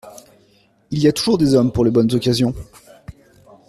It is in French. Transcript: Il y a toujours des hommes pour les bonnes occasions.